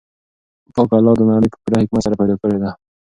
پاک الله دا نړۍ په پوره حکمت سره پیدا کړې ده.